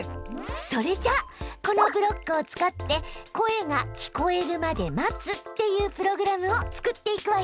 それじゃこのブロックを使って「声が聞こえるまで待つ」っていうプログラムを作っていくわよ！